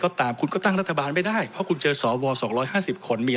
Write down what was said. ก็ตามคุณก็ตั้งรัฐบาลไม่ได้เพราะคุณเจอสอวรสองร้อยห้าสิบคนมี